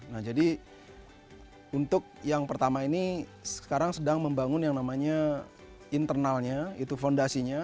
nah jadi untuk yang pertama ini sekarang sedang membangun yang namanya internalnya itu fondasinya